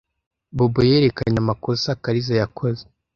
Bobo yerekanye amakosa Kariza yakoze.